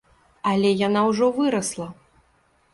Але яна ўжо вырасла!